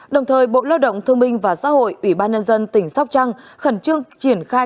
đồng thời bộ lao động thương minh và xã hội ủy ban nhân dân tỉnh sóc trăng khẩn trương triển khai